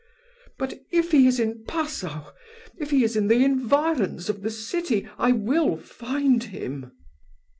But if he is in Passau if he is in the environs of the city, I will find him."